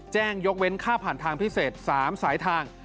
แจ้งยกเว้นค่าผ่านทางพิเศษ๓สายทาง